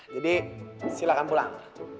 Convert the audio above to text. jadi silahkan pulang